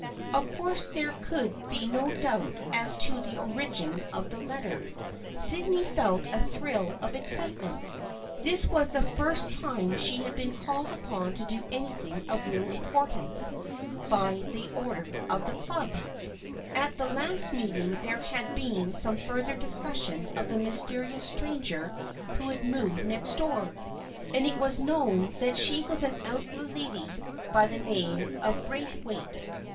" Of course there could be no doubt as to the origin of this letter. Sydney felt a thrill of ex citement. This was the first time she had been called upon to do anything of real importance by THE FKIENDSHIP OF ANNE 73 order of the Club. At the last meeting there had been some further discussion of the mysterious stranger who had moved next door, and it was known that she was an elderly lady by the name of Braithwaite.